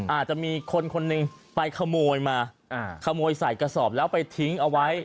อาจจะมีคนคนหนึ่งไปขโมยมาขโมยใส่กระสอบแล้วไปทิ้งเอาไว้